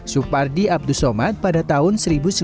supardi abdus sommat pada tahun seribu sembilan ratus enam puluh tiga